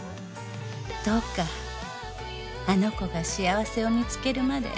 「どうかあの子が幸せを見つけるまで」